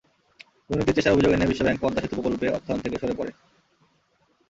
দুর্নীতির চেষ্টার অভিযোগ এনে বিশ্বব্যাংক পদ্মা সেতু প্রকল্পে অর্থায়ন থেকে সরে পড়ে।